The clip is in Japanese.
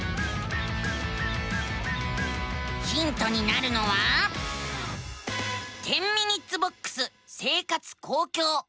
ヒントになるのは「１０ｍｉｎ．ボックス生活・公共」。